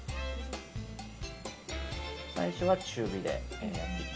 最初は中火で。